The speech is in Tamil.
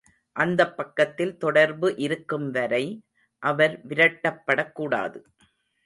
அந்தப் பக்கத்தில் தொடர்பு இருக்கும் வரை, அவர் விரட்டப்படக் கூடாது.